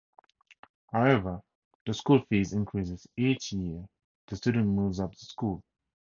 However the school fees increase each year the student moves up the school.